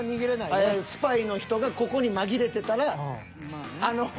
スパイの人がここに紛れてたら。